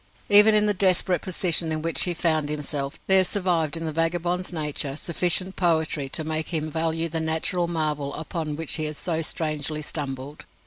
Even in the desperate position in which he found himself, there survived in the vagabond's nature sufficient poetry to make him value the natural marvel upon which he had so strangely stumbled.